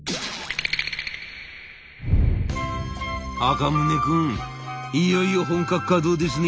「赤宗くんいよいよ本格稼働ですね。